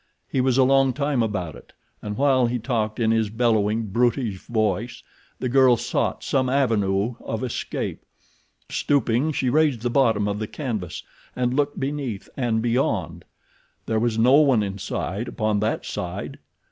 He was a long time about it, and while he talked in his bellowing, brutish voice, the girl sought some avenue of escape. Stooping, she raised the bottom of the canvas and looked beneath and beyond. There was no one in sight upon that side.